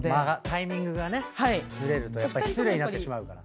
タイミングがねずれると失礼になってしまうから。